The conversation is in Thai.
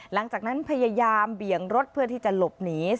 หลังจากนั้นพยายามเบี่ยงรถเพื่อที่จะหลบหนี